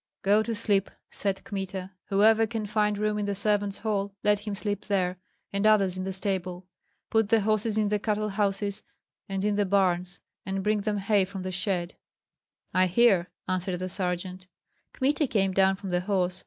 "Go to sleep," said Kmita; "whoever can find room in the servants' hall, let him sleep there, and others in the stable. Put the horses in the cattle houses and in the barns, and bring them hay from the shed." "I hear," answered the sergeant. Kmita came down from the horse.